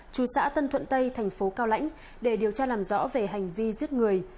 chú xã tân thuận tây thành phố cao lãnh để điều tra làm rõ về hành vi giết người